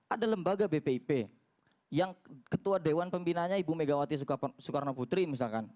ada lembaga bpip yang ketua dewan pembinanya ibu megawati soekarno putri misalkan